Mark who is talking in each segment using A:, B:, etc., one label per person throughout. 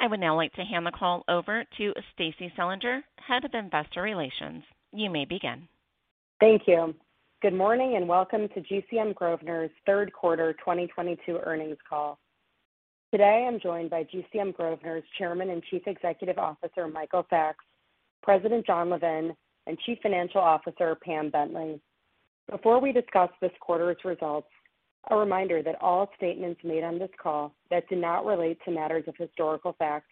A: I would now like to hand the call over to Stacie Selinger, Head of Investor Relations. You may begin.
B: Thank you. Good morning and welcome to GCM Grosvenor's third quarter 2022 earnings call. Today, I'm joined by GCM Grosvenor's Chairman and Chief Executive Officer, Michael Sacks, President Jon Levin, and Chief Financial Officer Pamela Bentley. Before we discuss this quarter's results, a reminder that all statements made on this call that do not relate to matters of historical fact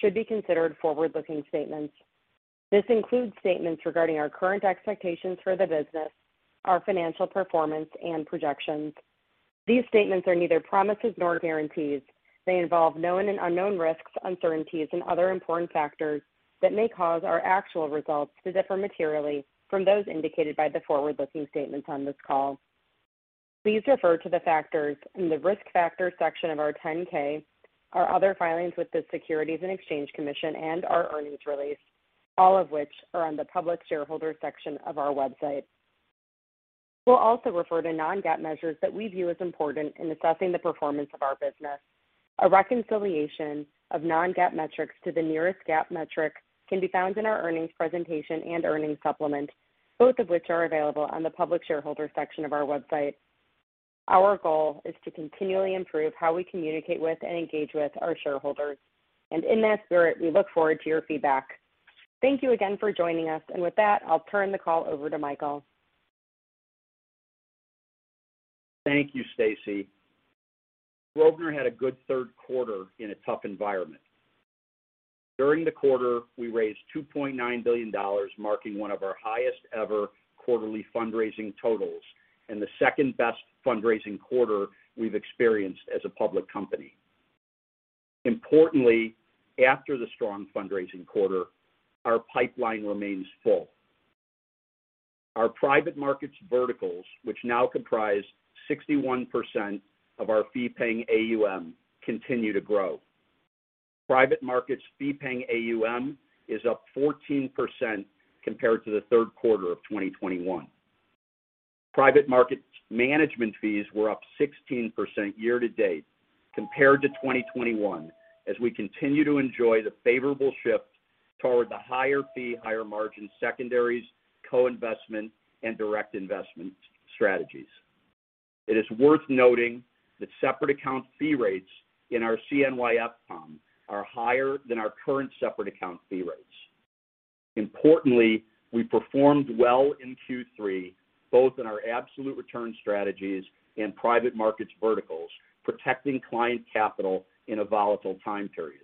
B: should be considered forward-looking statements. This includes statements regarding our current expectations for the business, our financial performance, and projections. These statements are neither promises nor guarantees. They involve known and unknown risks, uncertainties, and other important factors that may cause our actual results to differ materially from those indicated by the forward-looking statements on this call. Please refer to the factors in the Risk Factors section of our 10-K, our other filings with the Securities and Exchange Commission, and our earnings release, all of which are on the public shareholders section of our website. We'll also refer to Non-GAAP measures that we view as important in assessing the performance of our business. A reconciliation of Non-GAAP metrics to the nearest GAAP metric can be found in our earnings presentation and earnings supplement, both of which are available on the public shareholders section of our website. Our goal is to continually improve how we communicate with and engage with our shareholders. In that spirit, we look forward to your feedback. Thank you again for joining us. With that, I'll turn the call over to Michael.
C: Thank you, Stacie. Grosvenor had a good third quarter in a tough environment. During the quarter, we raised $2.9 billion, marking one of our highest ever quarterly fundraising totals and the second-best fundraising quarter we've experienced as a public company. Importantly, after the strong fundraising quarter, our pipeline remains full. Our private markets verticals, which now comprise 61% of our fee-paying AUM, continue to grow. Private markets fee-paying AUM is up 14% compared to the third quarter of 2021. Private markets management fees were up 16% year to date compared to 2021 as we continue to enjoy the favorable shift toward the higher fee, higher margin secondaries, co-investment, and direct investment strategies. It is worth noting that separate account fee rates in our CNY FPAUM are higher than our current separate account fee rates. Importantly, we performed well in Q3, both in our absolute return strategies and private markets verticals, protecting client capital in a volatile time period.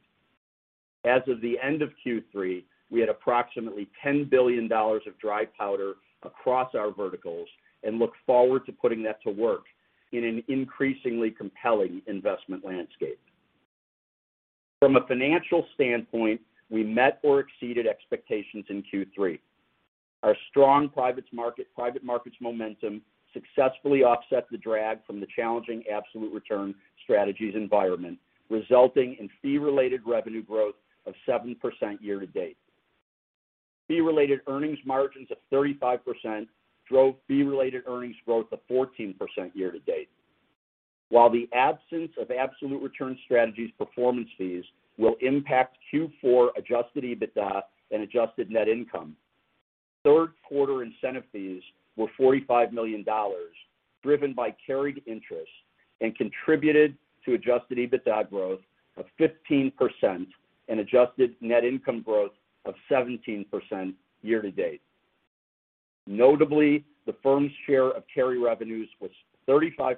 C: As of the end of Q3, we had approximately $10 billion of dry powder across our verticals and look forward to putting that to work in an increasingly compelling investment landscape. From a financial standpoint, we met or exceeded expectations in Q3. Our strong private markets momentum successfully offset the drag from the challenging absolute return strategies environment, resulting in fee-related revenue growth of 7% year-to-date. Fee-related earnings margins of 35% drove fee-related earnings growth of 14% year-to-date. While the absence of absolute return strategies performance fees will impact Q4 adjusted EBITDA and adjusted net income, third quarter incentive fees were $45 million, driven by carried interest, and contributed to adjusted EBITDA growth of 15% and adjusted net income growth of 17% year to date. Notably, the firm's share of carry revenues was 35%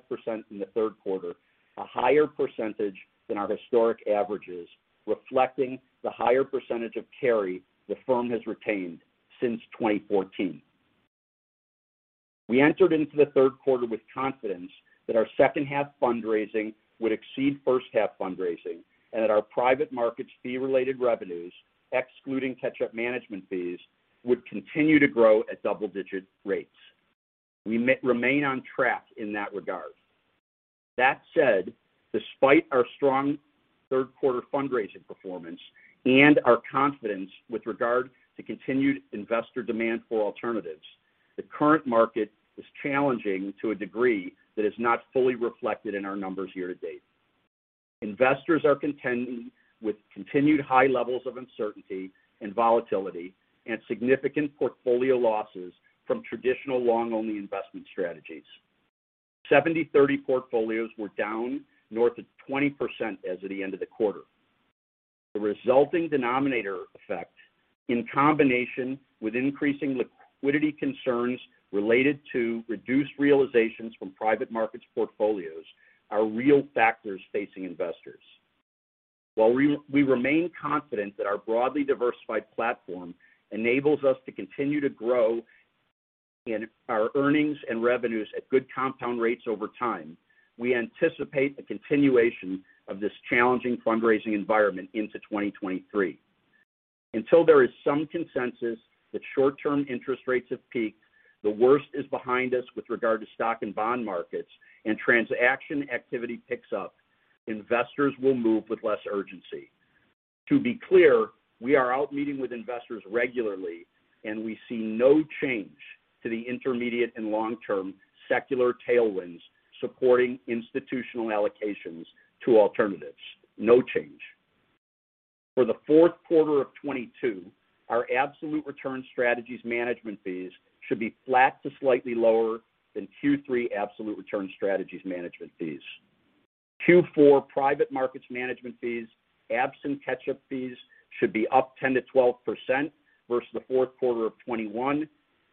C: in the third quarter, a higher percentage than our historic averages, reflecting the higher percentage of carry the firm has retained since 2014. We entered into the third quarter with confidence that our second half fundraising would exceed first half fundraising and that our private markets fee-related revenues, excluding catch-up management fees, would continue to grow at double-digit rates. We remain on track in that regard. That said, despite our strong third quarter fundraising performance and our confidence with regard to continued investor demand for alternatives, the current market is challenging to a degree that is not fully reflected in our numbers year to date. Investors are contending with continued high levels of uncertainty and volatility and significant portfolio losses from traditional long-only investment strategies. 70/30 portfolios were down north of 20% as of the end of the quarter. The resulting denominator effect, in combination with increasing liquidity concerns related to reduced realizations from private markets portfolios, are real factors facing investors. While we remain confident that our broadly diversified platform enables us to continue to grow in our earnings and revenues at good compound rates over time, we anticipate the continuation of this challenging fundraising environment into 2023. Until there is some consensus that short-term interest rates have peaked, the worst is behind us with regard to stock and bond markets, and transaction activity picks up, investors will move with less urgency. To be clear, we are out meeting with investors regularly, and we see no change to the intermediate and long-term secular tailwinds supporting institutional allocations to alternatives. No change. For the fourth quarter of 2022, our absolute return strategies management fees should be flat to slightly lower than Q3 absolute return strategies management fees. Q4 private markets management fees, absent catch-up fees, should be up 10%-12% versus the fourth quarter of 2021,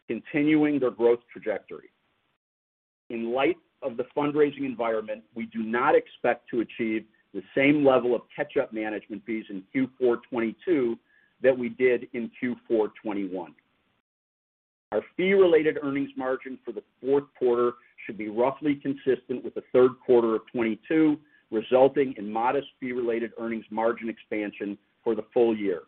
C: continuing their growth trajectory. In light of the fundraising environment, we do not expect to achieve the same level of catch-up management fees in Q4 2022 that we did in Q4 2021. Our fee-related earnings margin for the fourth quarter should be roughly consistent with the third quarter of 2022, resulting in modest fee-related earnings margin expansion for the full year.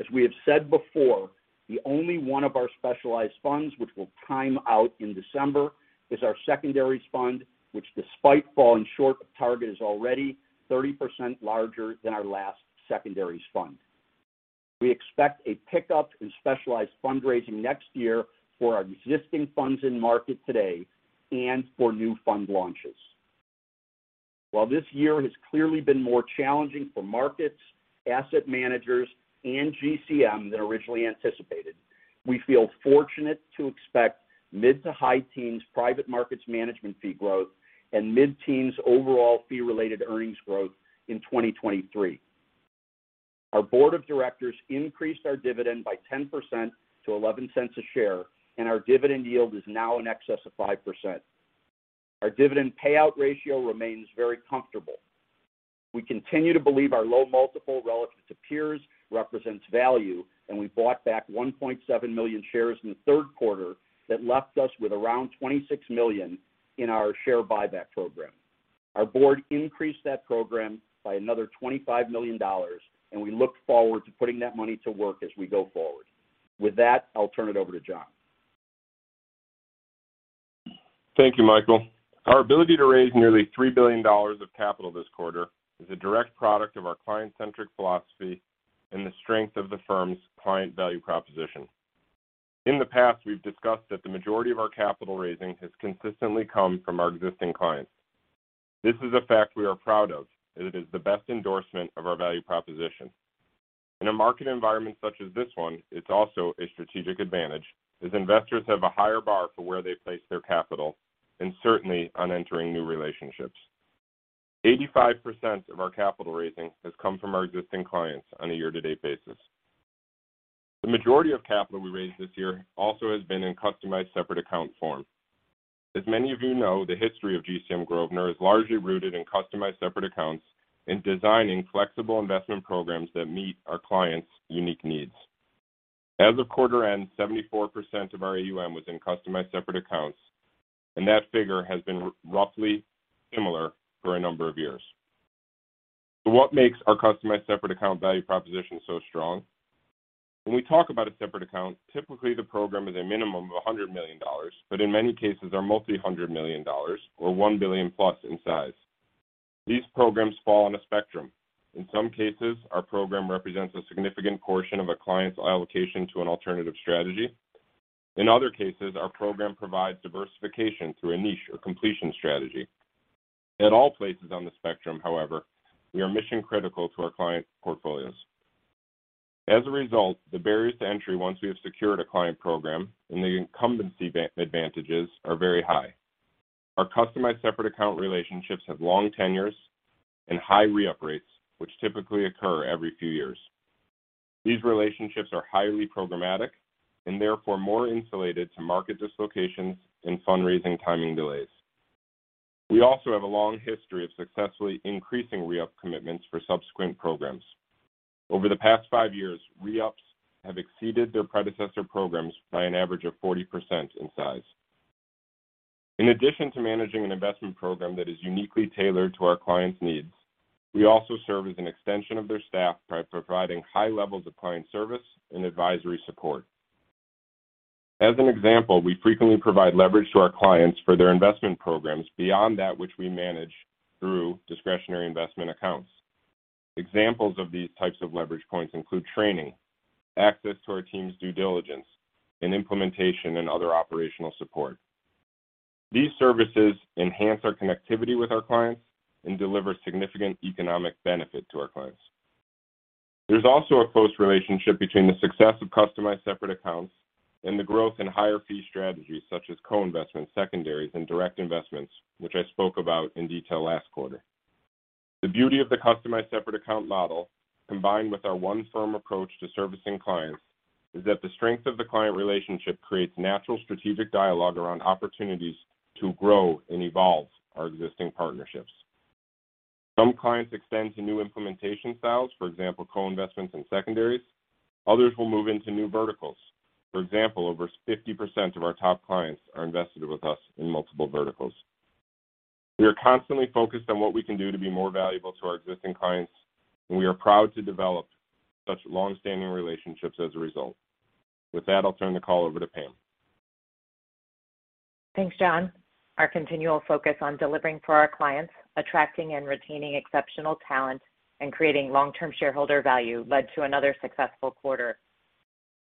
C: As we have said before, the only one of our specialized funds which will time out in December is our secondaries fund, which despite falling short of target, is already 30% larger than our last secondaries fund. We expect a pickup in specialized fundraising next year for our existing funds in market today and for new fund launches. While this year has clearly been more challenging for markets, asset managers, and GCM than originally anticipated, we feel fortunate to expect mid- to high teens private markets management fee growth and mid-teens overall fee-related earnings growth in 2023. Our board of directors increased our dividend by 10% to $0.11 per share, and our dividend yield is now in excess of 5%. Our dividend payout ratio remains very comfortable. We continue to believe our low multiple relative to peers represents value, and we bought back 1.7 million shares in the third quarter. That left us with around $26 million in our share buyback program. Our board increased that program by another $25 million, and we look forward to putting that money to work as we go forward. With that, I'll turn it over to Jon.
D: Thank you, Michael. Our ability to raise nearly $3 billion of capital this quarter is a direct product of our client-centric philosophy and the strength of the firm's client value proposition. In the past, we've discussed that the majority of our capital raising has consistently come from our existing clients. This is a fact we are proud of, as it is the best endorsement of our value proposition. In a market environment such as this one, it's also a strategic advantage, as investors have a higher bar for where they place their capital, and certainly on entering new relationships. 85% of our capital raising has come from our existing clients on a year-to-date basis. The majority of capital we raised this year also has been in customized separate account form. As many of you know, the history of GCM Grosvenor is largely rooted in customized separate accounts and designing flexible investment programs that meet our clients' unique needs. As of quarter end, 74% of our AUM was in customized separate accounts, and that figure has been roughly similar for a number of years. What makes our customized separate account value proposition so strong? When we talk about a separate account, typically the program is a minimum of $100 million, but in many cases are multi-hundred million dollars or $1 billion-plus in size. These programs fall on a spectrum. In some cases, our program represents a significant portion of a client's allocation to an alternative strategy. In other cases, our program provides diversification through a niche or completion strategy. At all places on the spectrum, however, we are mission-critical to our clients' portfolios. As a result, the barriers to entry once we have secured a client program and the incumbency advantages are very high. Our customized separate account relationships have long tenures and high re-up rates, which typically occur every few years. These relationships are highly programmatic and therefore more insulated to market dislocations and fundraising timing delays. We also have a long history of successfully increasing re-up commitments for subsequent programs. Over the past five years, re-ups have exceeded their predecessor programs by an average of 40% in size. In addition to managing an investment program that is uniquely tailored to our clients' needs, we also serve as an extension of their staff by providing high levels of client service and advisory support. As an example, we frequently provide leverage to our clients for their investment programs beyond that which we manage through discretionary investment accounts. Examples of these types of leverage points include training, access to our team's due diligence, and implementation and other operational support. These services enhance our connectivity with our clients and deliver significant economic benefit to our clients. There's also a close relationship between the success of customized separate accounts and the growth in higher fee strategies such as co-investments, secondaries, and direct investments, which I spoke about in detail last quarter. The beauty of the customized separate account model, combined with our one-firm approach to servicing clients, is that the strength of the client relationship creates natural strategic dialogue around opportunities to grow and evolve our existing partnerships. Some clients extend to new implementation styles, for example, co-investments and secondaries. Others will move into new verticals. For example, over 50% of our top clients are invested with us in multiple verticals. We are constantly focused on what we can do to be more valuable to our existing clients, and we are proud to develop such long-standing relationships as a result. With that, I'll turn the call over to Pam.
E: Thanks, Jon. Our continual focus on delivering for our clients, attracting and retaining exceptional talent, and creating long-term shareholder value led to another successful quarter.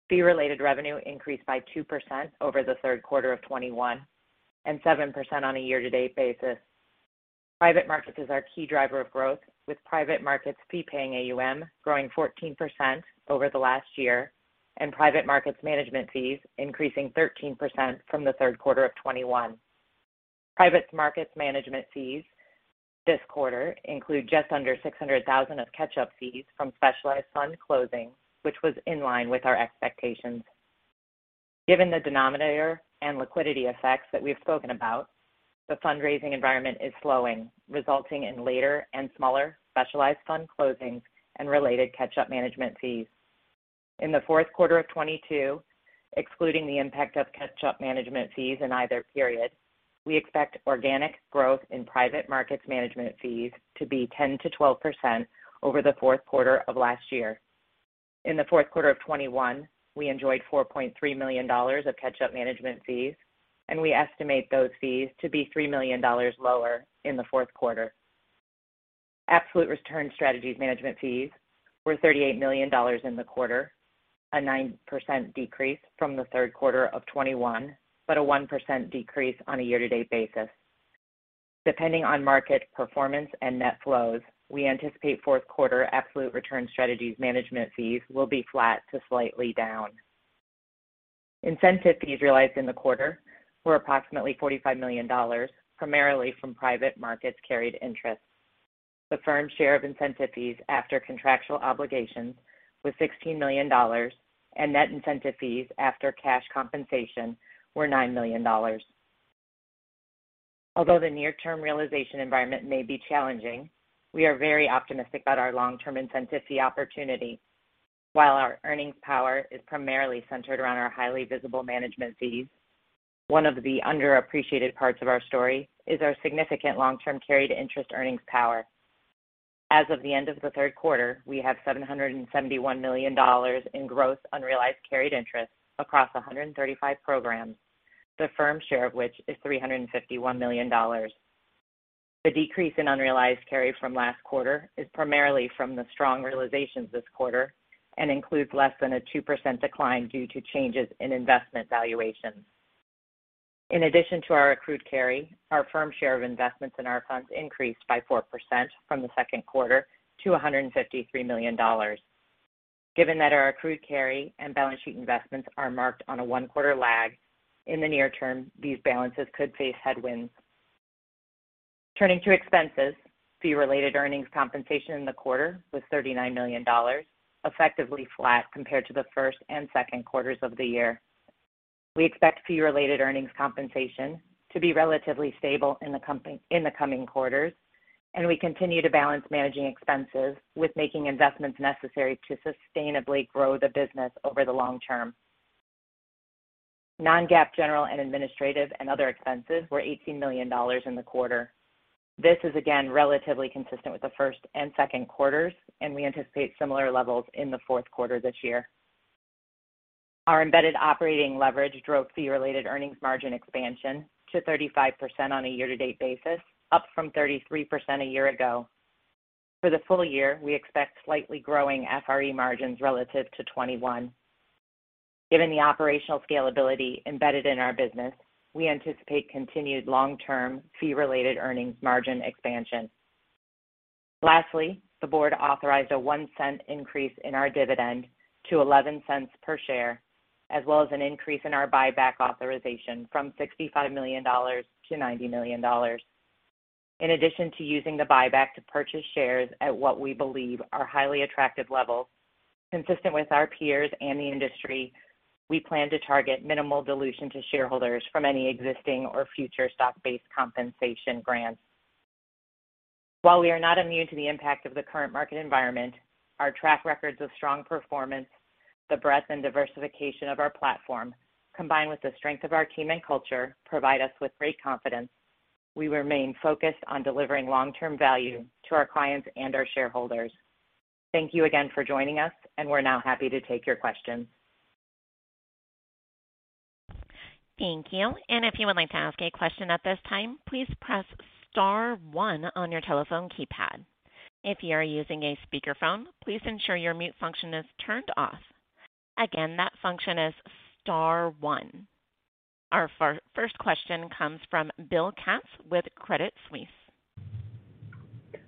E: Fee-Related Revenue increased by 2% over the third quarter of 2021, and 7% on a year-to-date basis. Private markets is our key driver of growth, with private markets Fee-Paying AUM growing 14% over the last year, and private markets management fees increasing 13% from the third quarter of 2021. Private markets management fees this quarter include just under $600,000 of catch-up management fees from specialized fund closings, which was in line with our expectations. Given the denominator and liquidity effects that we've spoken about, the fundraising environment is slowing, resulting in later and smaller specialized fund closings and related catch-up management fees. In the fourth quarter of 2022, excluding the impact of catch-up management fees in either period, we expect organic growth in private markets management fees to be 10%-12% over the fourth quarter of last year. In the fourth quarter of 2021, we enjoyed $4.3 million of catch-up management fees, and we estimate those fees to be $3 million lower in the fourth quarter. Absolute return strategies management fees were $38 million in the quarter, a 9% decrease from the third quarter of 2021, but a 1% decrease on a year-to-date basis. Depending on market performance and net flows, we anticipate fourth quarter absolute return strategies management fees will be flat to slightly down. Incentive fees realized in the quarter were approximately $45 million, primarily from private markets carried interest. The firm's share of incentive fees after contractual obligations was $16 million, and net incentive fees after cash compensation were $9 million. Although the near-term realization environment may be challenging, we are very optimistic about our long-term incentive fee opportunity. While our earnings power is primarily centered around our highly visible management fees, one of the underappreciated parts of our story is our significant long-term carried interest earnings power. As of the end of the third quarter, we have $771 million in gross unrealized carried interest across 135 programs, the firm's share of which is $351 million. The decrease in unrealized carry from last quarter is primarily from the strong realizations this quarter and includes less than a 2% decline due to changes in investment valuations. In addition to our accrued carry, our firm share of investments in our funds increased by 4% from the second quarter to $153 million. Given that our accrued carry and balance sheet investments are marked on a one-quarter lag, in the near term, these balances could face headwinds. Turning to expenses, fee-related earnings compensation in the quarter was $39 million, effectively flat compared to the first and second quarters of the year. We expect fee-related earnings compensation to be relatively stable in the coming quarters, and we continue to balance managing expenses with making investments necessary to sustainably grow the business over the long-term. Non-GAAP general and administrative and other expenses were $18 million in the quarter. This is again relatively consistent with the first and second quarters, and we anticipate similar levels in the fourth quarter this year. Our embedded operating leverage drove Fee-Related Earnings margin expansion to 35% on a year-to-date basis, up from 33% a year ago. For the full year, we expect slightly growing FRE margins relative to 21%. Given the operational scalability embedded in our business, we anticipate continued long-term Fee-Related Earnings margin expansion. Lastly, the board authorized a $0.01 increase in our dividend to $0.11 per share, as well as an increase in our buyback authorization from $65 million to $90 million. In addition to using the buyback to purchase shares at what we believe are highly attractive levels, consistent with our peers and the industry, we plan to target minimal dilution to shareholders from any existing or future stock-based compensation grants. While we are not immune to the impact of the current market environment, our track records of strong performance, the breadth and diversification of our platform, combined with the strength of our team and culture, provide us with great confidence. We remain focused on delivering long-term value to our clients and our shareholders. Thank you again for joining us, and we're now happy to take your questions.
A: Thank you. If you would like to ask a question at this time, please press star one on your telephone keypad. If you are using a speakerphone, please ensure your mute function is turned off. Again, that function is star one. Our first question comes from Bill Katz with Credit Suisse.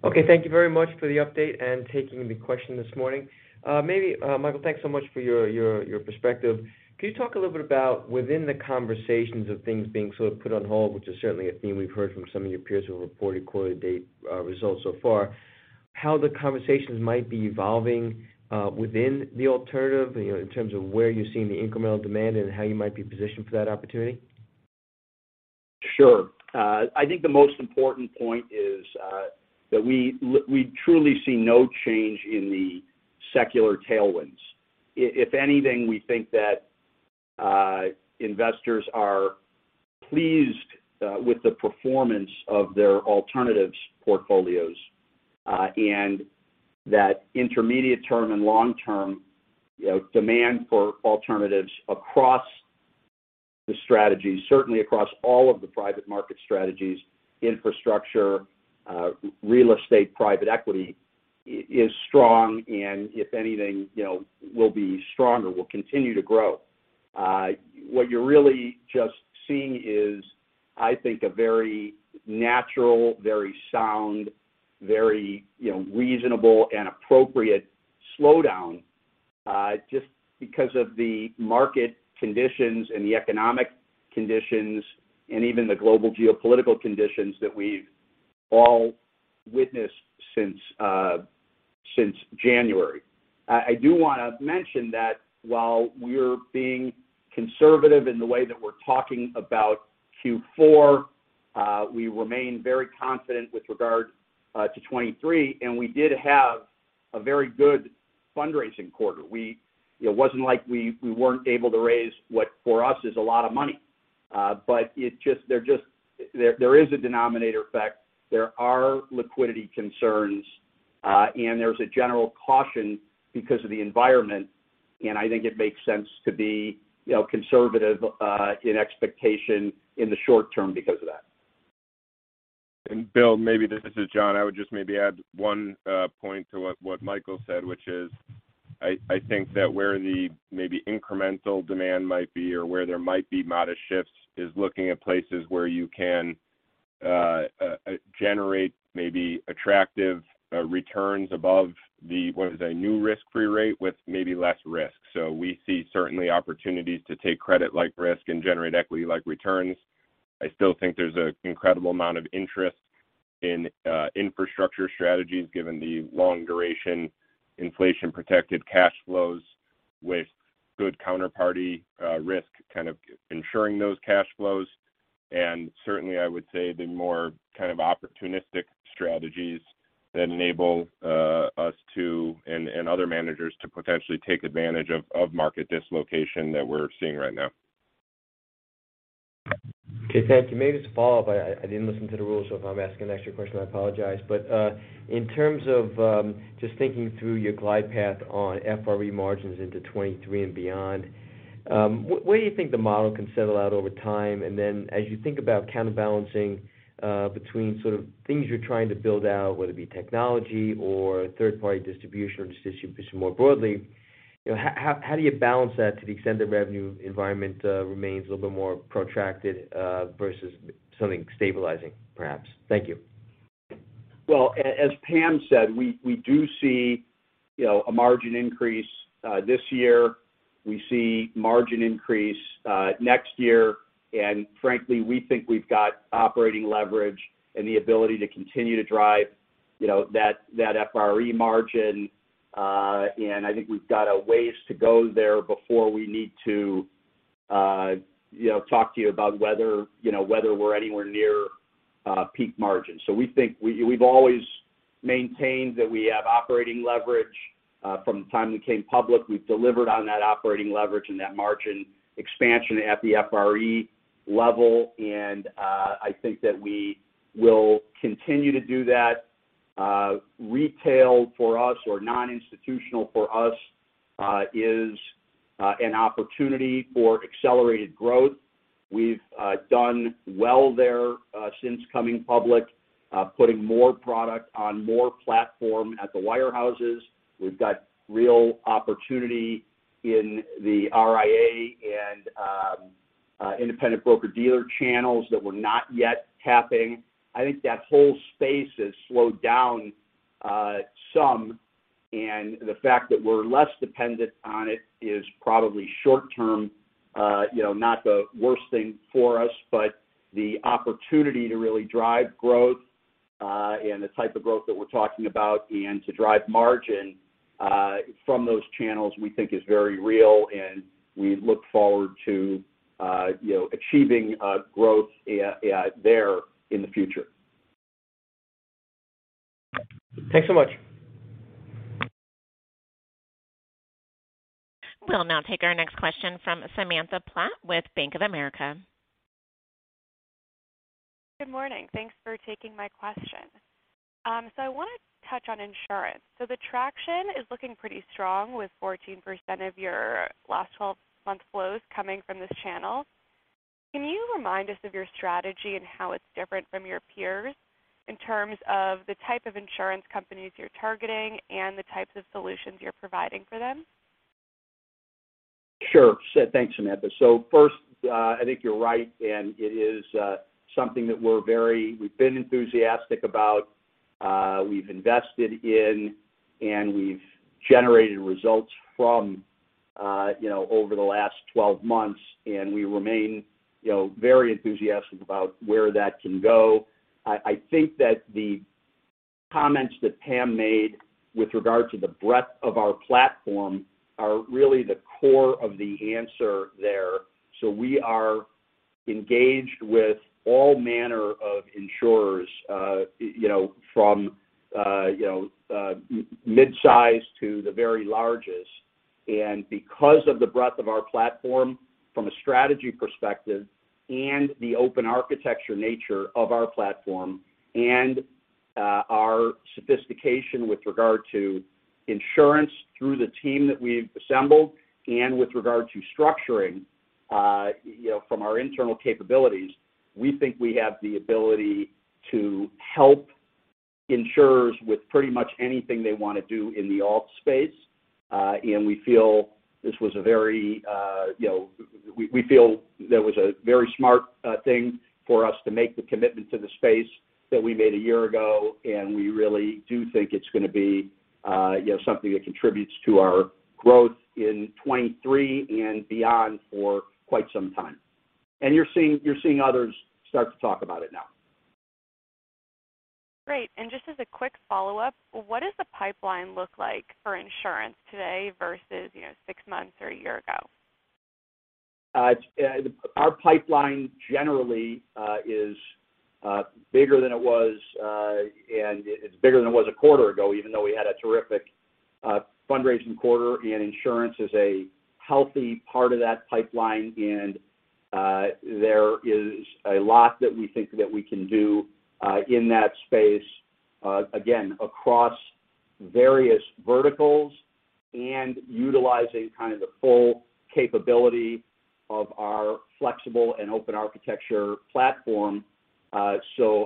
F: Okay. Thank you very much for the update and taking the question this morning. Maybe Michael, thanks so much for your perspective. Can you talk a little bit about within the conversations of things being sort of put on hold, which is certainly a theme we've heard from some of your peers who have reported quarter to date results so far, how the conversations might be evolving within the alternative, you know, in terms of where you're seeing the incremental demand and how you might be positioned for that opportunity?
C: Sure. I think the most important point is that we truly see no change in the secular tailwinds. If anything, we think that investors are pleased with the performance of their alternatives portfolios. That intermediate-term and long-term, you know, demand for alternatives across the strategy, certainly across all of the private market strategies, infrastructure, real estate, private equity is strong. If anything, you know, will be stronger, will continue to grow. What you're really just seeing is, I think, a very natural, very sound, very, you know, reasonable and appropriate slowdown, just because of the market conditions and the economic conditions and even the global geopolitical conditions that we've all witnessed since January. I do wanna mention that while we're being conservative in the way that we're talking about Q4, we remain very confident with regard to 2023, and we did have a very good fundraising quarter. It wasn't like we weren't able to raise what for us is a lot of money. There is a Denominator Effect. There are liquidity concerns, and there's a general caution because of the environment, and I think it makes sense to be, you know, conservative, in expectation in the short-term because of that.
D: Bill, maybe this is Jon. I would just maybe add one point to what Michael said, which is, I think that where the maybe incremental demand might be or where there might be modest shifts is looking at places where you can generate maybe attractive returns above the what is a new risk-free rate with maybe less risk. So we see certainly opportunities to take credit like risk and generate equity like returns. I still think there's an incredible amount of interest in infrastructure strategies given the long duration inflation protected cash flows with good counterparty risk kind of ensuring those cash flows. Certainly, I would say the more kind of opportunistic strategies that enable us to and other managers to potentially take advantage of market dislocation that we're seeing right now.
F: Okay, thank you. Maybe just to follow up, I didn't listen to the rules, so if I'm asking an extra question, I apologize. In terms of just thinking through your glide path on FRE margins into 2023 and beyond, where do you think the model can settle out over time? As you think about counterbalancing between sort of things you're trying to build out, whether it be technology or third-party distribution or distribution more broadly, you know, how do you balance that to the extent the revenue environment remains a little bit more protracted versus something stabilizing, perhaps? Thank you.
C: Well, as Pam said, we do see, you know, a margin increase this year. We see margin increase next year. Frankly, we think we've got operating leverage and the ability to continue to drive, you know, that FRE margin. I think we've got a ways to go there before we need to, you know, talk to you about whether, you know, whether we're anywhere near peak margin. We think we've always maintained that we have operating leverage from the time we came public. We've delivered on that operating leverage and that margin expansion at the FRE level. I think that we will continue to do that. Retail for us or non-institutional for us is an opportunity for accelerated growth. We've done well there since coming public, putting more product on more platform at the wirehouses. We've got real opportunity in the RIA and independent broker-dealer channels that we're not yet tapping. I think that whole space has slowed down some, and the fact that we're less dependent on it is probably short-term, you know, not the worst thing for us. The opportunity to really drive growth and the type of growth that we're talking about and to drive margin from those channels, we think is very real, and we look forward to you know, achieving growth there in the future.
F: Thanks so much.
A: We'll now take our next question from Samantha Platt with Bank of America.
G: Good morning. Thanks for taking my question. I wanna touch on insurance. The traction is looking pretty strong with 14% of your last 12-month flows coming from this channel. Can you remind us of your strategy and how it's different from your peers in terms of the type of insurance companies you're targeting and the types of solutions you're providing for them?
C: Thanks, Samantha. First, I think you're right, and it is something that we've been enthusiastic about, we've invested in, and we've generated results from, you know, over the last 12 months, and we remain, you know, very enthusiastic about where that can go. I think that the comments that Pam made with regard to the breadth of our platform are really the core of the answer there. We are engaged with all manner of insurers, you know, from mid-size to the very largest. Because of the breadth of our platform from a strategy perspective and the open architecture nature of our platform and our sophistication with regard to insurance through the team that we've assembled and with regard to structuring, you know, from our internal capabilities, we think we have the ability to help insurers with pretty much anything they wanna do in the alt space. We feel that was a very smart thing for us to make the commitment to the space that we made a year ago, and we really do think it's gonna be, you know, something that contributes to our growth in 2023 and beyond for quite some time. You're seeing others start to talk about it now.
G: Great. Just as a quick follow-up, what does the pipeline look like for insurance today versus, you know, six months or a year ago?
C: It's our pipeline generally is bigger than it was, and it's bigger than it was a quarter ago, even though we had a terrific fundraising quarter, and insurance is a healthy part of that pipeline. There is a lot that we think that we can do in that space, again, across various verticals and utilizing kind of the full capability of our flexible and open architecture platform. I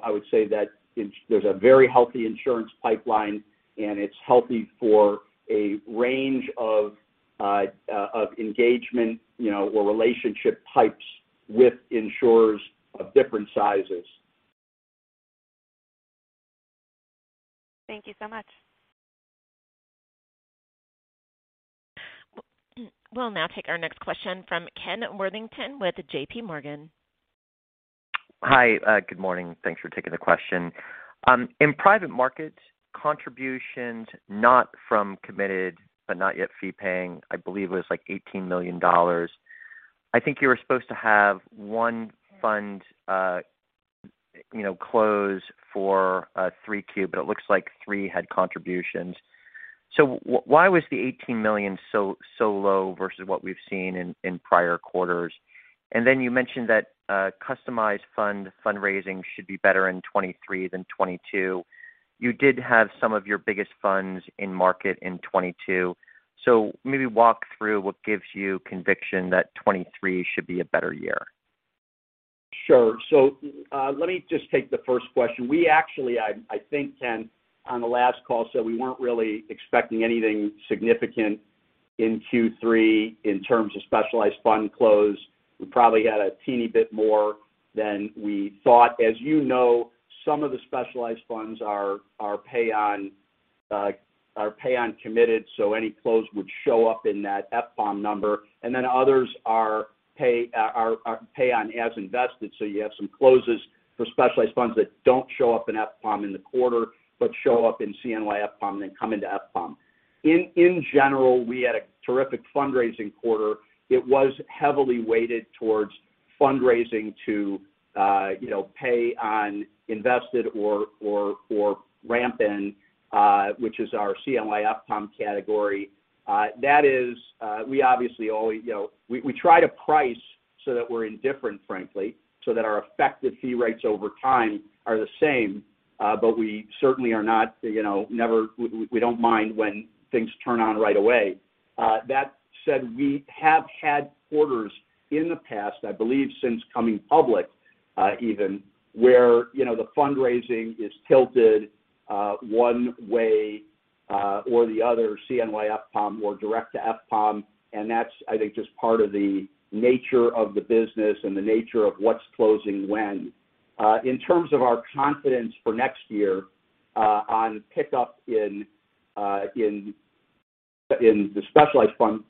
C: would say that there's a very healthy insurance pipeline, and it's healthy for a range of engagement, you know, or relationship types with insurers of different sizes.
G: Thank you so much.
A: We'll now take our next question from Ken Worthington with J.P. Morgan.
H: Hi. Good morning. Thanks for taking the question. In private markets, contributions not from committed but not yet fee-paying, I believe, was like $18 million. I think you were supposed to have one fund, you know, close for 3Q, but it looks like 3Q had contributions. Why was the $18 million so low versus what we've seen in prior quarters? Then you mentioned that customized fund fundraising should be better in 2023 than 2022. You did have some of your biggest funds in market in 2022. Maybe walk through what gives you conviction that 2023 should be a better year.
C: Sure. Let me just take the first question. We actually, I think, Ken, on the last call said we weren't really expecting anything significant in Q3 in terms of specialized fund close. We probably had a teeny bit more than we thought. As you know, some of the specialized funds are pay on committed, so any close would show up in that FPAUM number. Others are pay on as invested. You have some closes for specialized funds that don't show up in FPAUM in the quarter but show up in CNY FPAUM, then come into FPAUM. In general, we had a terrific fundraising quarter. It was heavily weighted towards fundraising to, you know, pay on invested or ramp-in, which is our CNY FPAUM category. That is, we obviously always, you know, we try to price so that we're indifferent, frankly, so that our effective fee rates over time are the same, but we certainly are not, you know, we don't mind when things turn on right away. That said, we have had quarters in the past, I believe since coming public, even where, you know, the fundraising is tilted one way or the other, CNY FPAUM or direct to FPAUM, and that's, I think, just part of the nature of the business and the nature of what's closing when. In terms of our confidence for next year, on pickup in the specialized fund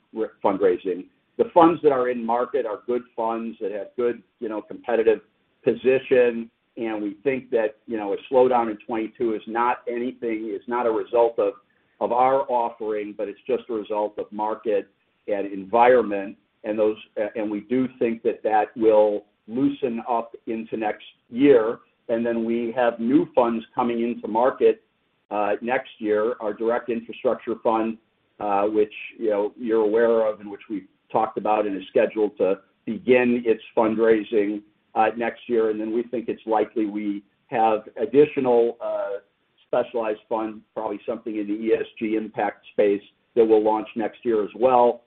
C: fundraising, the funds that are in market are good funds that have good, you know, competitive position, and we think that, you know, a slowdown in 2022 is not anything. It's not a result of our offering, but it's just a result of market and environment and those. We do think that that will loosen up into next year. We have new funds coming into market next year. Our direct infrastructure fund, which, you know, you're aware of and which we've talked about and is scheduled to begin its fundraising next year. We think it's likely we have additional specialized funds, probably something in the ESG impact space that we'll launch next year as well.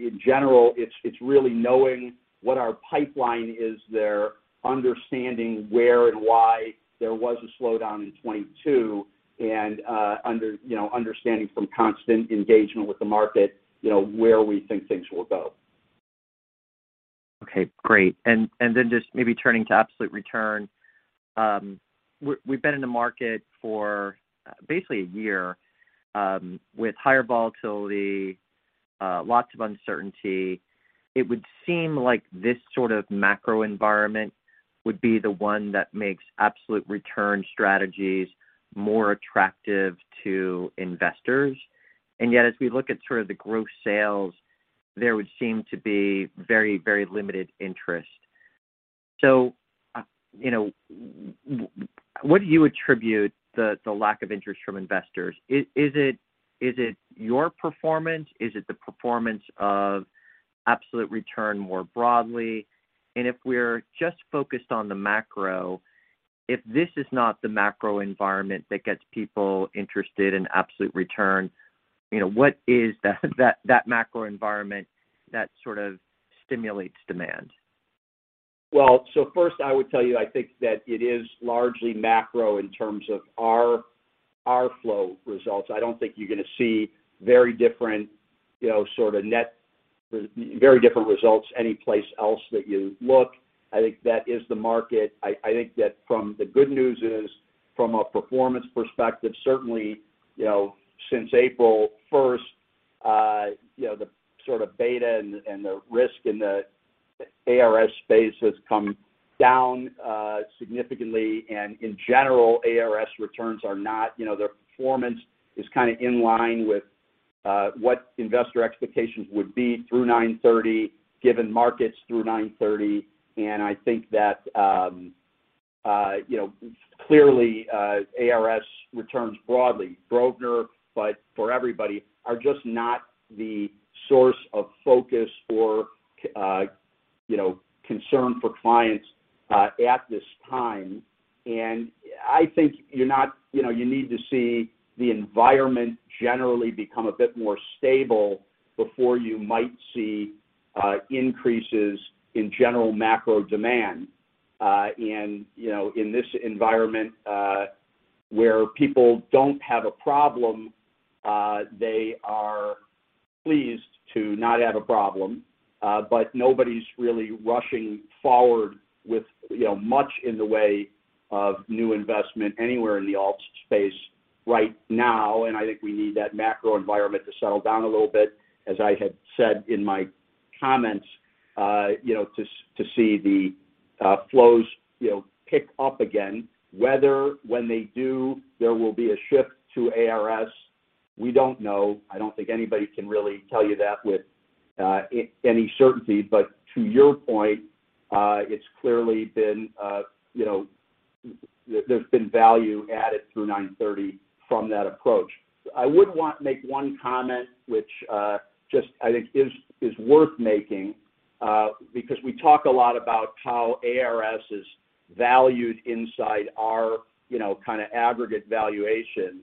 C: In general, it's really knowing what our pipeline is there, understanding where and why there was a slowdown in 2022 and, you know, understanding from constant engagement with the market, you know, where we think things will go.
H: Okay, great. Then just maybe turning to absolute return. We've been in the market for basically a year, with higher volatility, lots of uncertainty. It would seem like this sort of macro environment would be the one that makes absolute return strategies more attractive to investors. Yet, as we look at sort of the gross sales, there would seem to be very limited interest. You know, what do you attribute the lack of interest from investors? Is it your performance? Is it the performance of absolute return more broadly? If we're just focused on the macro, if this is not the macro environment that gets people interested in absolute return, you know, what is that macro environment that sort of stimulates demand?
C: Well, first I would tell you, I think that it is largely macro in terms of our flow results. I don't think you're gonna see very different, you know, sort of very different results anyplace else that you look. I think that is the market. I think that from the good news is, from a performance perspective, certainly, you know, since April first, you know, the sort of beta and the risk in the ARS space has come down significantly. In general, ARS returns are not, you know, their performance is kinda in line with what investor expectations would be through 9/30, given markets through 9/30. I think that, you know, clearly, ARS returns broadly but for everybody, are just not the source of focus or concern for clients, at this time. I think you're not. You know, you need to see the environment generally become a bit more stable before you might see increases in general macro demand. In this environment, where people don't have a problem, they are pleased to not have a problem, but nobody's really rushing forward with, you know, much in the way of new investment anywhere in the alt space right now. I think we need that macro environment to settle down a little bit, as I had said in my comments, you know, to see the flows, you know, pick up again. Whether when they do, there will be a shift to ARS, we don't know. I don't think anybody can really tell you that with any certainty. To your point, it's clearly been, you know, there's been value added through 9/30 from that approach. I would want to make one comment, which just I think is worth making, because we talk a lot about how ARS is valued inside our, you know, kind of aggregate valuation.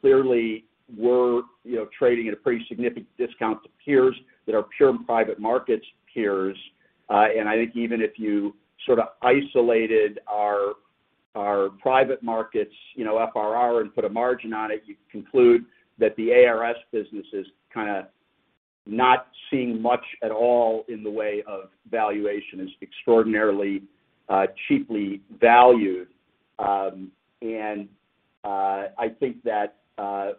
C: Clearly we're, you know, trading at a pretty significant discount to peers that are pure and private markets peers. And I think even if you sort of isolated our private markets, you know, FRR and put a margin on it, you'd conclude that the ARS business is kind of not seeing much at all in the way of valuation. It's extraordinarily cheaply valued. I think that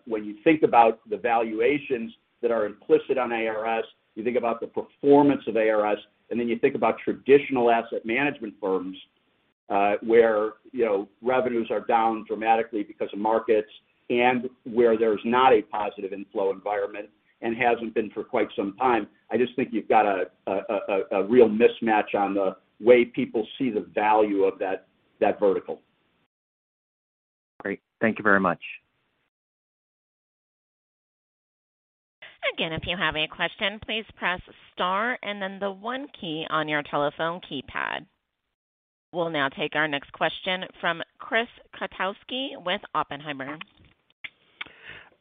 C: when you think about the valuations that are implicit on ARS, you think about the performance of ARS, and then you think about traditional asset management firms, where, you know, revenues are down dramatically because of markets and where there's not a positive inflow environment and hasn't been for quite some time. I just think you've got a real mismatch on the way people see the value of that vertical.
H: Great. Thank you very much.
A: Again, if you have any question, please press star and then the one key on your telephone keypad. We'll now take our next question from Chris Kotowski with Oppenheimer.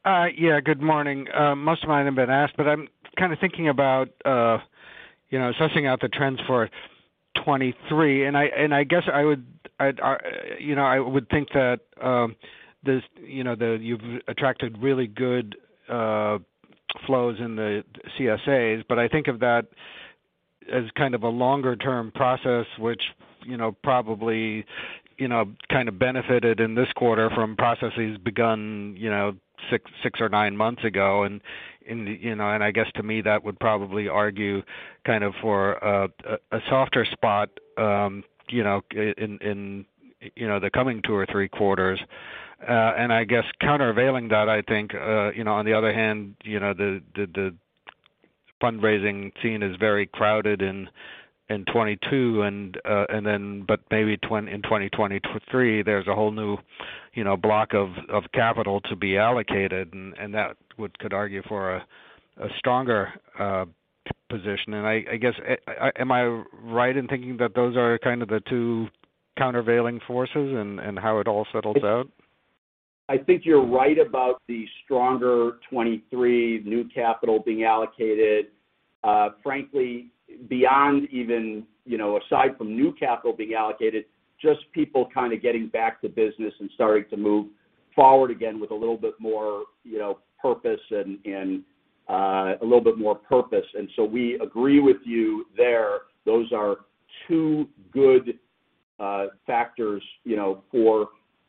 I: Yeah, good morning. Most of mine have been asked, but I'm kinda thinking about, you know, assessing out the trends for 2023. I guess I would think that, you know, you've attracted really good flows in the CSAs, but I think of that as kind of a longer term process, which, you know, probably, you know, kind of benefited in this quarter from processes begun, you know, six or nine months ago. In, you know, I guess to me, that would probably argue kind of for a softer spot, you know, in the coming two or three quarters. I guess countervailing that, I think, you know, on the other hand, you know, the fundraising scene is very crowded in 2022, and then in 2023, there's a whole new, you know, block of capital to be allocated. That could argue for a stronger position. I guess, am I right in thinking that those are kind of the two countervailing forces and how it all settles out?
C: I think you're right about the stronger 2023 new capital being allocated. Frankly, beyond even, you know, aside from new capital being allocated, just people kinda getting back to business and starting to move forward again with a little bit more, you know, purpose and a little bit more purpose. We agree with you there. Those are two good factors, you know, for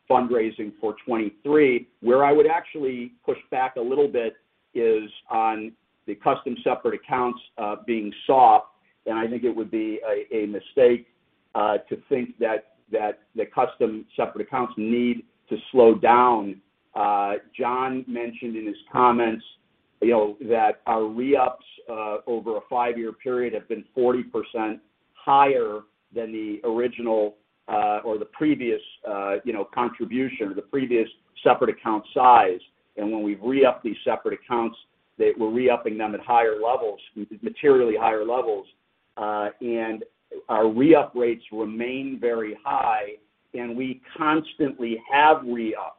C: fundraising for 2023. Where I would actually push back a little bit is on the custom separate accounts being soft. I think it would be a mistake to think that the custom separate accounts need to slow down. Jon mentioned in his comments. You know, that our re-ups over a five-year period have been 40% higher than the original or the previous, you know, contribution or the previous separate account size. When we re-up these separate accounts that we're re-upping them at higher levels, materially higher levels. Our re-up rates remain very high, and we constantly have re-ups.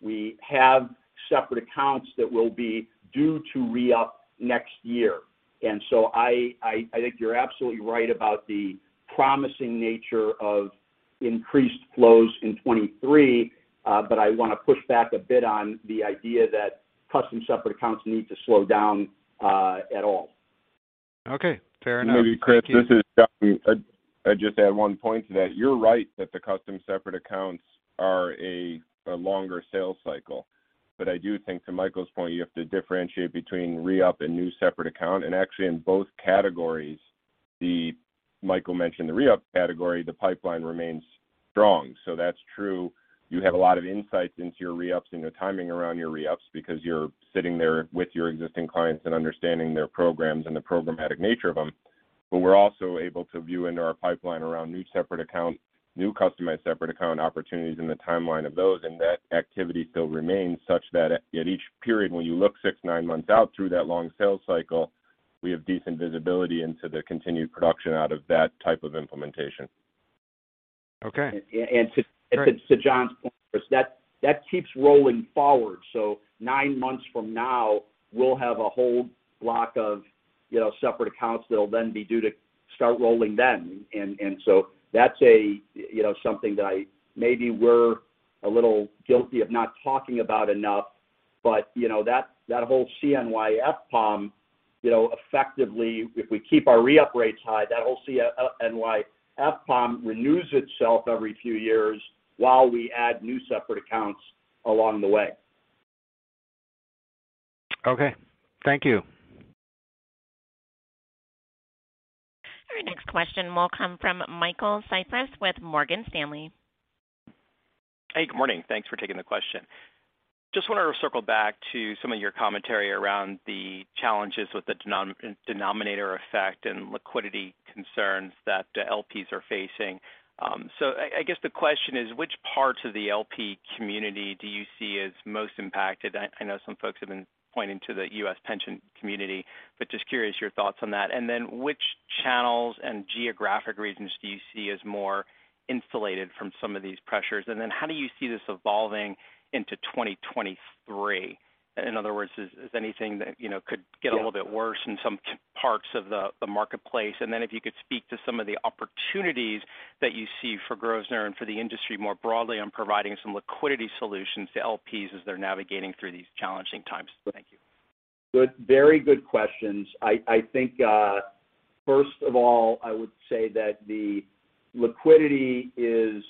C: We have separate accounts that will be due to re-up next year. I think you're absolutely right about the promising nature of increased flows in 2023. But I want to push back a bit on the idea that custom separate accounts need to slow down at all. Okay, fair enough.
D: Maybe Chris, this is Jon. I just add one point to that. You're right that the custom separate accounts are a longer sales cycle. I do think to Michael's point, you have to differentiate between re-up and new separate account. Actually in both categories, the Michael mentioned the re-up category, the pipeline remains strong. That's true. You have a lot of insights into your re-ups and your timing around your re-ups because you're sitting there with your existing clients and understanding their programs and the programmatic nature of them. We're also able to view into our pipeline around new separate accounts, new customized separate account opportunities and the timeline of those, and that activity still remains such that at each period, when you look 6, 9 months out through that long sales cycle, we have decent visibility into the continued production out of that type of implementation.
C: Okay. To Jon's point, that keeps rolling forward. Nine months from now, we'll have a whole block of, you know, separate accounts that'll then be due to start rolling then. That's a, you know, something that I maybe we're a little guilty of not talking about enough, but, you know, that whole CNY FPAUM, you know, effectively, if we keep our re-up rates high, that whole CNY FPAUM renews itself every few years while we add new separate accounts along the way. Okay. Thank you.
A: Our next question will come from Michael Cyprys with Morgan Stanley.
J: Hey, good morning. Thanks for taking the question. Just wanted to circle back to some of your commentary around the challenges with the denominator effect and liquidity concerns that LPs are facing. So I guess the question is, which parts of the LP community do you see as most impacted? I know some folks have been pointing to the U.S. pension community, but just curious your thoughts on that. And then which channels and geographic regions do you see as more insulated from some of these pressures? And then how do you see this evolving into 2023? In other words, is anything that, you know, could get a little bit worse in some parts of the marketplace? If you could speak to some of the opportunities that you see for GCM Grosvenor and for the industry more broadly on providing some liquidity solutions to LPs as they're navigating through these challenging times. Thank you.
C: Good. Very good questions. I think, first of all, I would say that the liquidity is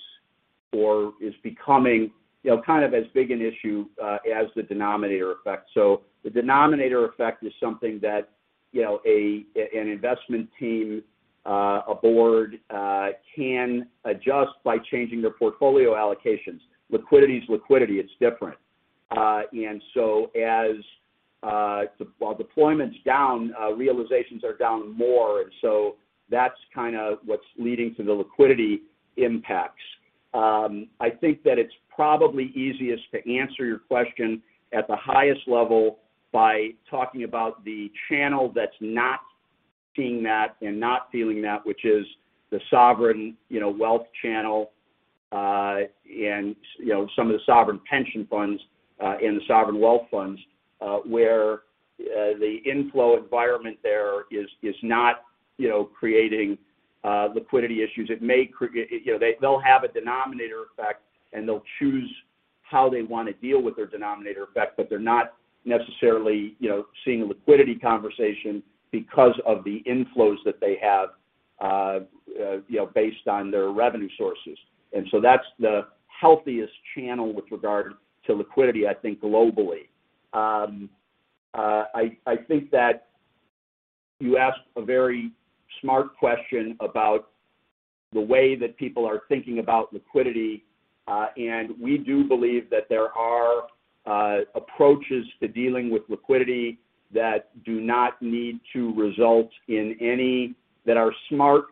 C: or is becoming, you know, kind of as big an issue as the denominator effect. The denominator effect is something that, you know, an investment team, a board can adjust by changing their portfolio allocations. Liquidity is liquidity, it's different. While deployment's down, realizations are down more. That's kind of what's leading to the liquidity impacts. I think that it's probably easiest to answer your question at the highest level by talking about the channel that's not seeing that and not feeling that, which is the sovereign, you know, wealth channel, and, you know, some of the sovereign pension funds, and the sovereign wealth funds, where the inflow environment there is not, you know, creating liquidity issues. It may create. You know, they'll have a denominator effect, and they'll choose how they want to deal with their denominator effect, but they're not necessarily, you know, seeing a liquidity conversation because of the inflows that they have, you know, based on their revenue sources. That's the healthiest channel with regard to liquidity, I think, globally. I think that you asked a very smart question about the way that people are thinking about liquidity. We do believe that there are approaches to dealing with liquidity that are smart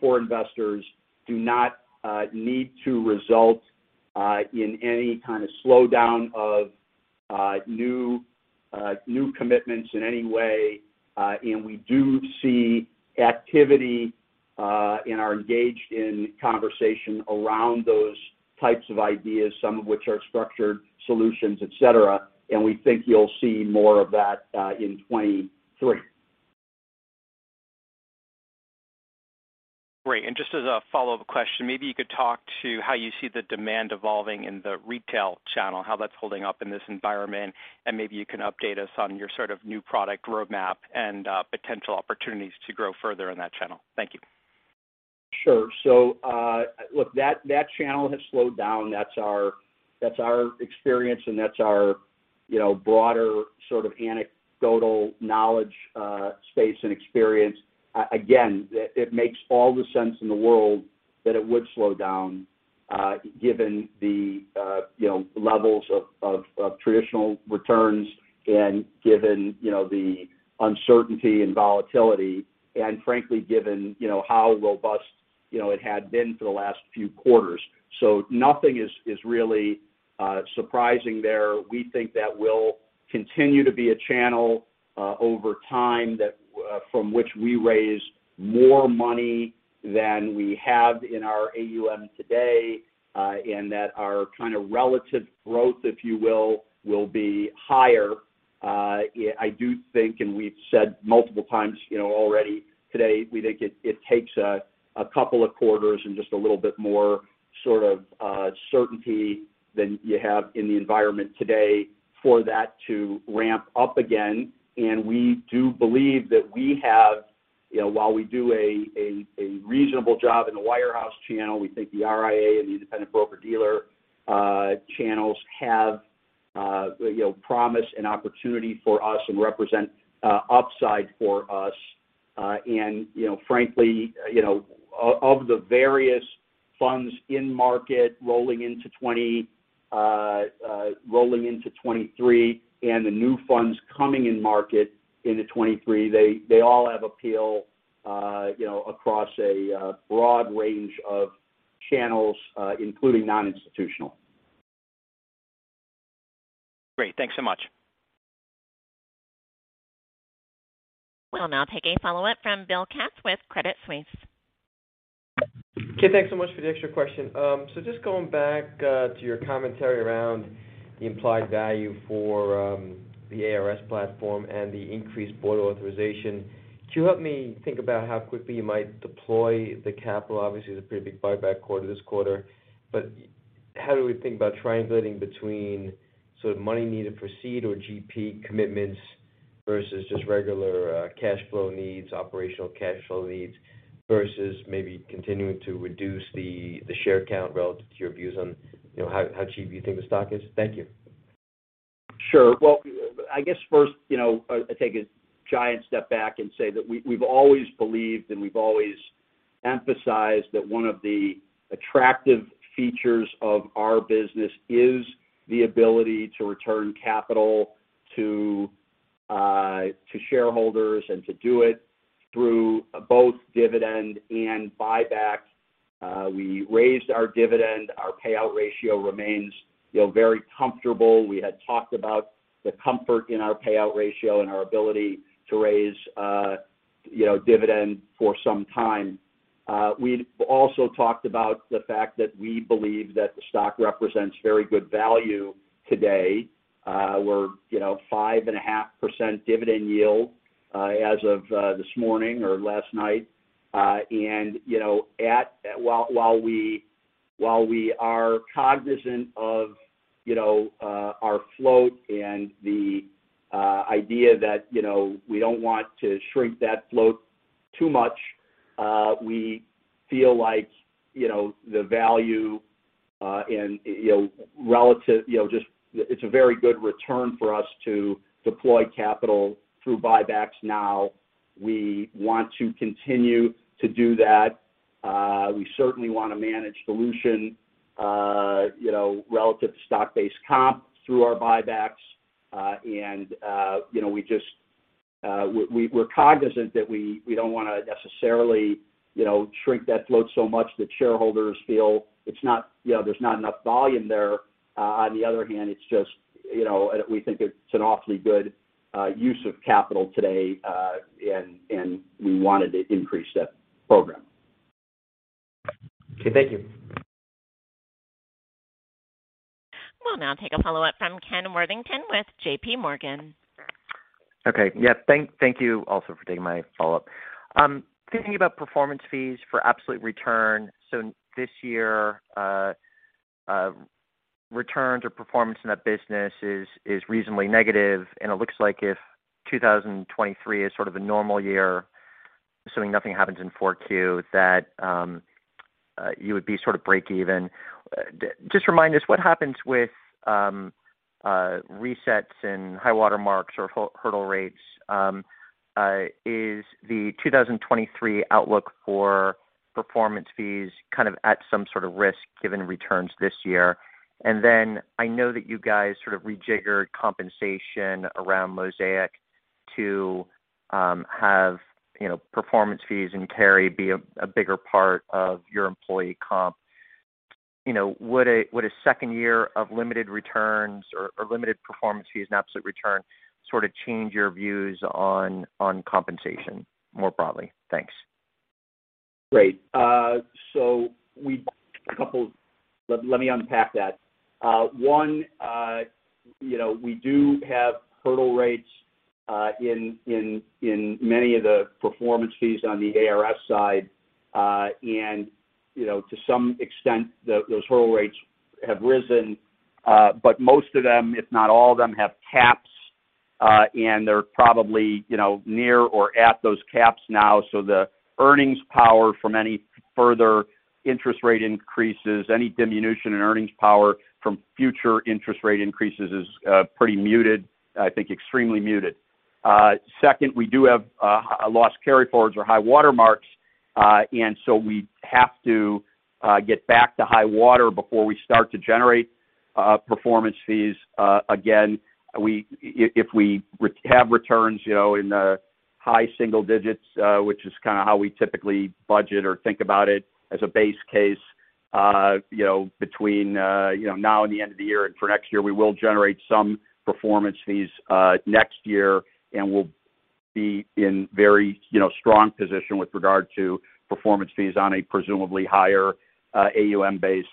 C: for investors, do not need to result in any kind of slowdown of new commitments in any way. We do see activity and are engaged in conversation around those types of ideas, some of which are structured solutions, et cetera. We think you'll see more of that in 2023.
J: Great. Just as a follow-up question, maybe you could talk to how you see the demand evolving in the retail channel, how that's holding up in this environment, and maybe you can update us on your sort of new product roadmap and, potential opportunities to grow further in that channel. Thank you.
C: Sure. Look, that channel has slowed down. That's our experience, and that's our, you know, broader sort of anecdotal knowledge, space and experience. Again, it makes all the sense in the world that it would slow down, given, you know, the levels of traditional returns and given, you know, the uncertainty and volatility. Frankly, given, you know, how robust, you know, it had been for the last few quarters. Nothing is really surprising there. We think that will continue to be a channel, over time, that from which we raise more money than we have in our AUM today, and that our kind of relative growth, if you will be higher. I do think, and we've said multiple times, you know, already today, we think it takes a couple of quarters and just a little bit more sort of certainty than you have in the environment today for that to ramp up again. We do believe that we have, you know, while we do a reasonable job in the wirehouse channel, we think the RIA and the independent broker-dealer channels have, you know, promise and opportunity for us and represent upside for us. You know, frankly, you know, of the various funds in market rolling into 2023 and the new funds coming in market into 2023, they all have appeal, you know, across a broad range of channels, including non-institutional.
J: Great. Thanks so much.
A: We'll now take a follow-up from Bill Katz with Credit Suisse.
F: Okay, thanks so much for the extra question. Just going back to your commentary around the implied value for the ARS platform and the increased board authorization, could you help me think about how quickly you might deploy the capital? Obviously, it's a pretty big buyback quarter this quarter, but how do we think about triangulating between sort of money needed to proceed or GP commitments versus just regular cash flow needs, operational cash flow needs, versus maybe continuing to reduce the share count relative to your views on, you know, how cheap you think the stock is? Thank you.
C: Sure. Well, I guess first, you know, I take a giant step back and say that we've always believed, and we've always emphasized that one of the attractive features of our business is the ability to return capital to shareholders and to do it through both dividend and buyback. We raised our dividend. Our payout ratio remains, you know, very comfortable. We had talked about the comfort in our payout ratio and our ability to raise, you know, dividend for some time. We also talked about the fact that we believe that the stock represents very good value today. We're, you know, 5.5% dividend yield, as of this morning or last night. You know, while we are cognizant of, you know, our float and the idea that, you know, we don't want to shrink that float too much, we feel like, you know, the value and, you know, relative, you know, just it's a very good return for us to deploy capital through buybacks now. We want to continue to do that. We certainly wanna manage dilution, you know, relative to stock-based comp through our buybacks. You know, we just, we're cognizant that we don't wanna necessarily, you know, shrink that float so much that shareholders feel it's not, you know, there's not enough volume there. On the other hand, it's just, you know, we think it's an awfully good use of capital today, and we wanted to increase that program.
F: Okay. Thank you.
A: We'll now take a follow-up from Ken Worthington with J.P. Morgan.
H: Okay. Yeah. Thank you also for taking my follow-up. Thinking about performance fees for absolute return. This year, returns or performance in that business is reasonably negative. It looks like if 2023 is sort of a normal year, assuming nothing happens in 4Q, that you would be sort of break even. Just remind us what happens with resets and high water marks or hurdle rates. Is the 2023 outlook for performance fees kind of at some sort of risk given returns this year? I know that you guys sort of rejiggered compensation around Mosaic to have, you know, performance fees and carry be a bigger part of your employee comp. You know, would a second year of limited returns or limited performance fees and absolute return sort of change your views on compensation more broadly? Thanks.
C: Great. Let me unpack that. One, you know, we do have hurdle rates in many of the performance fees on the ARS side. You know, to some extent, those hurdle rates have risen. Most of them, if not all of them, have caps, and they're probably, you know, near or at those caps now. The earnings power from any further interest rate increases, any diminution in earnings power from future interest rate increases is pretty muted, I think extremely muted. Second, we do have a loss carryforwards or high water marks, and so we have to get back to high water before we start to generate performance fees. Again, if we have returns, you know, in the high single digits, which is kinda how we typically budget or think about it as a base case, you know, between now and the end of the year and for next year, we will generate some performance fees next year, and we'll be in very strong position with regard to performance fees on a presumably higher AUM base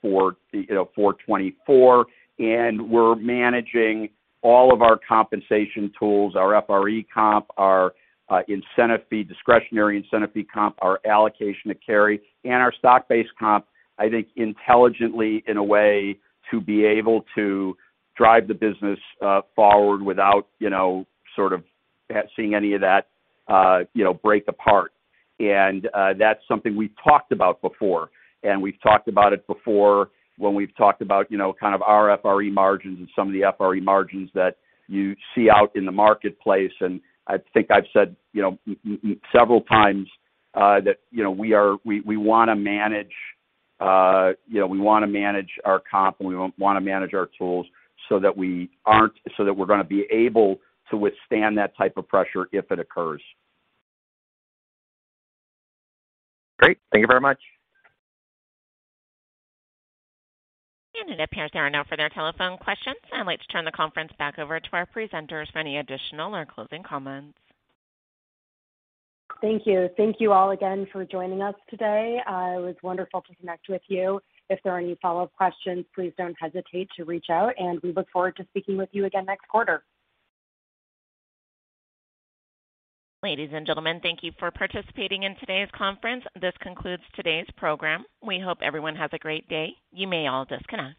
C: for 2024. We're managing all of our compensation tools, our FRE comp, our incentive fee, discretionary incentive fee comp, our allocation to carry, and our stock-based comp, I think, intelligently in a way to be able to drive the business forward without, you know, sort of seeing any of that break apart. That's something we've talked about before, and we've talked about it before when we've talked about, you know, kind of our FRE margins and some of the FRE margins that you see out in the marketplace. I think I've said, you know, several times, that, you know, we wanna manage, you know, we wanna manage our comp, and we wanna manage our tools so that we're gonna be able to withstand that type of pressure if it occurs. Great. Thank you very much.
A: It appears there are no further telephone questions. I'd like to turn the conference back over to our presenters for any additional or closing comments.
B: Thank you. Thank you all again for joining us today. It was wonderful to connect with you. If there are any follow-up questions, please don't hesitate to reach out, and we look forward to speaking with you again next quarter.
A: Ladies and gentlemen, thank you for participating in today's conference. This concludes today's program. We hope everyone has a great day. You may all disconnect.